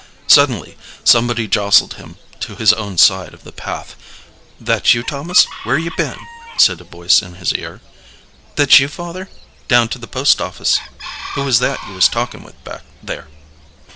Suddenly somebody jostled him to his own side of the path. "That you, Thomas? Where you been?" said a voice in his ear. "That you, father? Down to the post office." "Who was that you was talkin' with back there?"